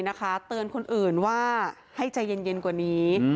เตือนคนอื่นว่าให้ใจเย็นกว่านี้